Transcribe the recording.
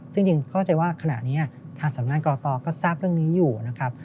ซึ่งจริงเข้าใจว่าขณะนี้ทางสำนักงานกตก็ทราบเรื่องนี้อยู่นะครับ